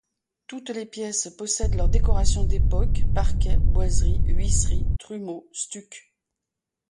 Toutes les pièces possèdent leur décoration d'époque, parquets, boiseries, huisseries, trumeaux, stucs.